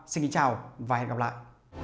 xin chào và hẹn gặp lại